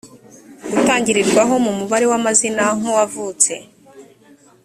gutangiririrwaho mu mubare w amazina nk uwavutse